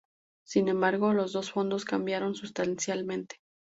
Sin embargo, los dos fondos cambiaron sustancialmente.